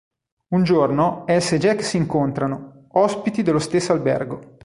Un giorno, Elsa e Jack si incontrano, ospiti dello stesso albergo.